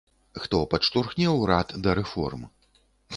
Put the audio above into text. Хто падштурхне ўрад да рэформ.